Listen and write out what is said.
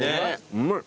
うまい。